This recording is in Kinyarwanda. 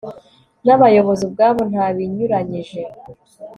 n abayobozi ubwabo nta binyuranyije